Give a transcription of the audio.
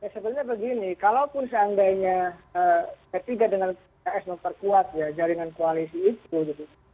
sebenarnya begini kalaupun seandainya p tiga dengan pks memperkuat ya jaringan koalisi itu gitu